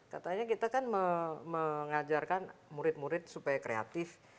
katanya kita kan mengajarkan murid murid supaya kreatif